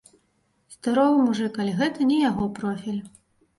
Здаровы мужык, але гэта не яго профіль!